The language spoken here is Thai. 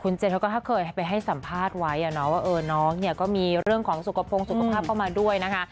เจนเขาก็เคยไปให้สัมภาษณ์ไว้ว่าน้องเนี่ยก็มีเรื่องของสุขภาพเข้ามาด้วยนะคะ